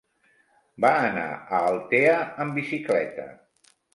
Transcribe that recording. Va anar a Altea amb bicicleta.